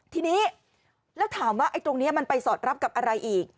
ทีนี้แล้วถามว่าไอ้ตรงนี้มันไปสอดรับกับอะไรอีก